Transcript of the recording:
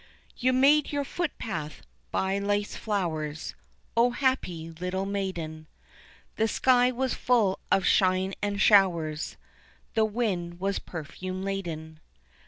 You made your footpath by life's flowers, O happy little maiden, The sky was full of shine and showers, The wind was perfume laden.